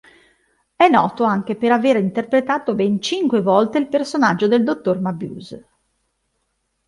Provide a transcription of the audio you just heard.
È noto anche per aver interpretato ben cinque volte il personaggio del Dottor Mabuse.